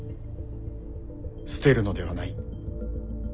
捨てるのではない。